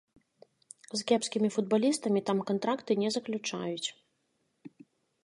З кепскімі футбалістамі там кантракты не заключаюць.